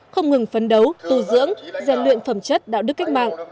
không ngừng phấn đấu tù dưỡng giả luyện phẩm chất đạo đức cách mạng